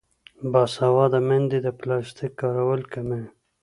باسواده میندې د پلاستیک کارول کموي.